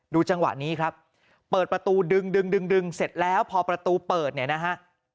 จังหวะนี้ครับเปิดประตูดึงดึงเสร็จแล้วพอประตูเปิดเนี่ยนะฮะ